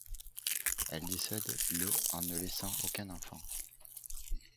Elle décède le en ne laissant aucun enfant.